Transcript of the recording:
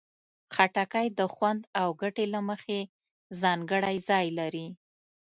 خټکی د خوند او ګټې له مخې ځانګړی ځای لري.